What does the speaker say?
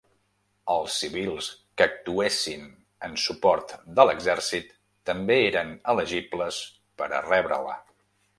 Els civils que actuessin en suport de l'Exèrcit també eren elegibles per a rebre-la.